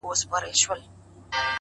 یوه خولگۍ خو مسته’ راته جناب راکه’